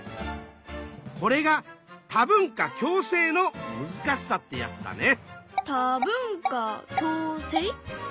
これが多文化共生のむずかしさってやつだね。